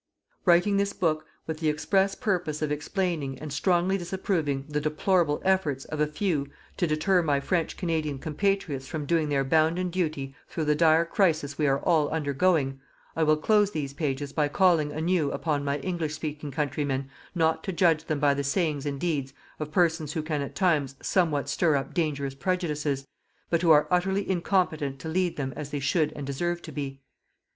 Writing this book with the express purpose of explaining and strongly disapproving the deplorable efforts of a few to deter my French Canadian compatriots from doing their bounden duty through the dire crisis we are all undergoing, I will close these pages by calling anew upon my English speaking countrymen not to judge them by the sayings and deeds of persons who can at times somewhat stir up dangerous prejudices, but who are utterly incompetent to lead them as they should and deserve to be.